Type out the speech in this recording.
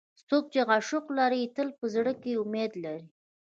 څوک چې عشق لري، تل په زړه کې امید لري.